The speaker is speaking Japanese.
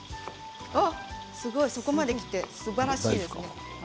すごい、そこまで切ってすばらしいですね。